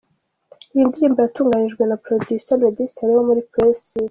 Iyi ndirimbo yatunganyijwe na Producer Meddy Saleh wo muri Press It.